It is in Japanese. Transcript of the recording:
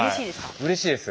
うれしいです。